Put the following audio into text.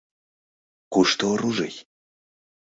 Кушто оружий?»